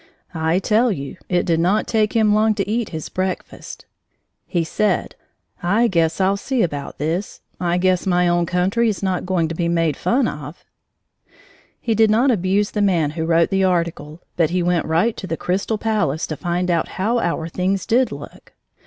I tell you it did not take him long to eat his breakfast. He said: "I guess I'll see about this. I guess my own country is not going to be made fun of!" He did not abuse the man who wrote the article, but he went right to the Crystal Palace to find out how our things did look.